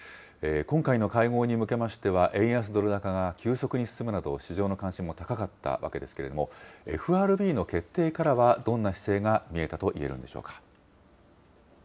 今回の会合に向けましては、円安ドル高が急速に進むなど、市場の関心も高かったわけですけれども、ＦＲＢの決定からはどんな姿勢が見えたといえるんでしょうか。